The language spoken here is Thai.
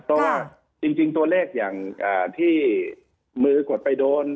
เพราะว่าจริงตัวเลขอย่างที่มือกดไปโดน